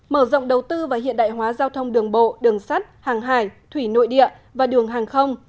mở rộng đầu tư và hiện đại hóa giao thông đường bộ đường sắt hàng hải thủy nội địa và đường hàng không